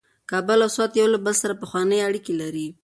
کابل او سوات یو له بل سره پخوانۍ اړیکې لري.